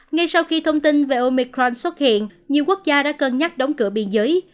ngay sau khi thông tin về omicron xuất hiện nhiều quốc gia đã cân nhắc đóng cửa biên giới